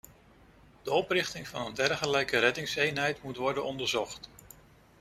De oprichting van een dergelijke reddingseenheid moet worden onderzocht.